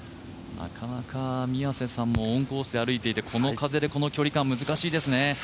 なかなか、オンコースで歩いていてこの風でこの距離感難しいですよね。